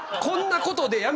こんなことで。